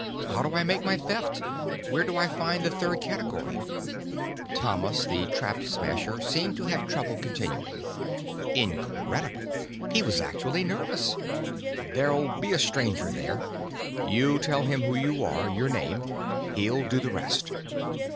"How do I make my Theft? Where do I find the third category?" Thomas the Trap Smasher seemed to have trouble continuing. Incredible he was actually nervous! "There'll be a Stranger there. You tell him who you are, your name. He'll do the rest."